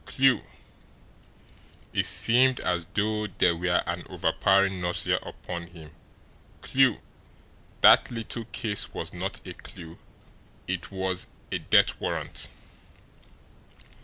Clew! It seemed as though there were an overpowering nausea upon him. CLEW! That little case was not a clew it was a death warrant!